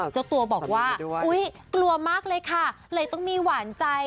เจ้าตัวบอกว่าอุ๊ยกลัวมากเลยค่ะเลยต้องมีหวานใจ